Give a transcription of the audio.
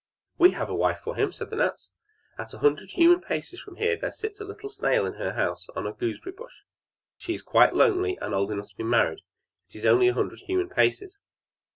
"We have a wife for him," said the gnats. "At a hundred human paces from here there sits a little snail in her house, on a gooseberry bush; she is quite lonely, and old enough to be married. It is only a hundred human paces!"